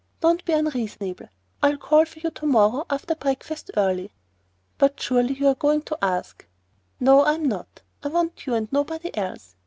Don't be unreasonable. I'll call for you to morrow after breakfast early." "But surely you are going to ask——" "No, I am not. I want you and nobody else.